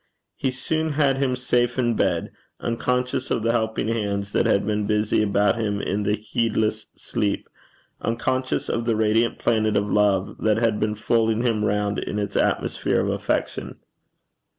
He soon had him safe in bed, unconscious of the helping hands that had been busy about him in his heedless sleep; unconscious of the radiant planet of love that had been folding him round in its atmosphere of affection.